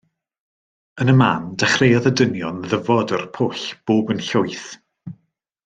Yn y man dechreuodd y dynion ddyfod o'r pwll bob yn llwyth.